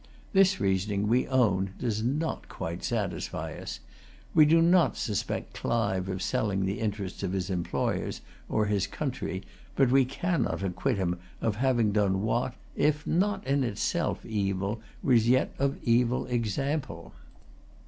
This reasoning, we own, does not quite satisfy us. We do not suspect Clive of selling the interests of his employers or his country; but we cannot acquit him of having done what, if not in itself evil, was yet of evil example.